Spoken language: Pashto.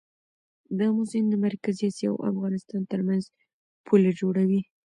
د امو سیند د مرکزي اسیا او افغانستان ترمنځ پوله جوړوي.